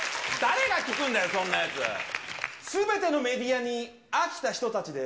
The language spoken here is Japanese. すべてのメディアに飽きた人たちです。